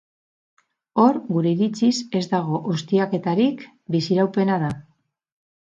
Hor, gure iritziz, ez dago ustiaketarik, biziraupena da.